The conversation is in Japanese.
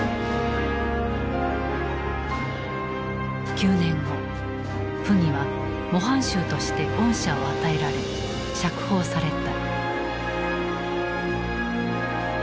９年後溥儀は模範囚として恩赦を与えられ釈放された。